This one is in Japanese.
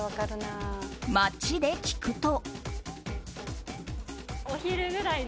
街で聞くと。